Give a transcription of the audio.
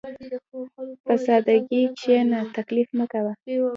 په سادهګۍ کښېنه، تکلف مه کوه.